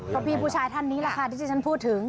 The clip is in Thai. ก็พี่ผู้ชายท่านนี้แหละค่ะที่ที่ฉันพูดถึง